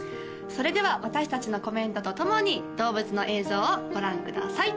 それでは私達のコメントとともに動物の映像をご覧ください